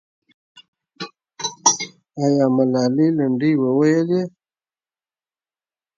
آیا ملالۍ لنډۍ وویلې؟